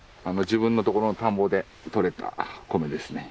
自分のところの田んぼでとれた米ですね。